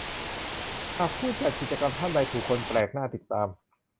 หากผู้จัดกิจกรรมท่านใดถูกคนแปลกหน้าติดตาม